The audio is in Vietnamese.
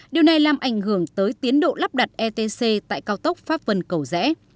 điều này làm ảnh hưởng tới tiến độ lắp đặt etc tại cao tốc pháp vân cầu rẽ